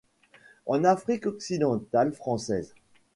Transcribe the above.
En Afrique-Occidentale française.